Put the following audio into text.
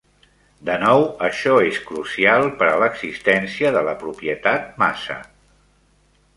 De nou, això és crucial per a l'existència de la propietat "massa".